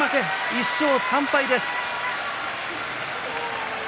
１勝３敗です。